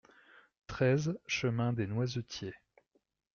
treize chemin Dès Noisetiers